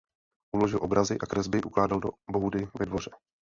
Uložil Obrazy a kresby ukládal do boudy ve dvoře.